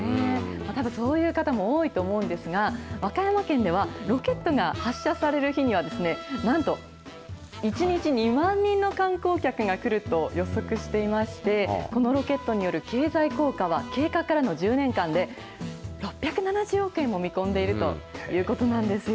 たぶん、そういう方も多いと思うんですが、和歌山県では、ロケットが発射される日には、なんと、１日２万人の観光客が来ると予測していまして、このロケットによる経済効果は、計画からの１０年間で、６７０億円を見込んでいるということなんですよ。